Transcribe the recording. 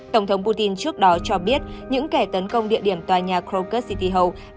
tổng thống putin trước đó cho biết những kẻ tấn công địa điểm tòa nhà crocus city hall